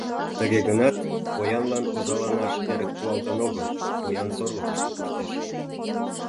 Тыге гынат поянлан озаланаш эрык пуалтын огыл, поян сорлыкышто коштеш.